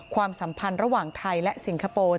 ความสัมพันธ์ระหว่างไทยและสิงคโปร์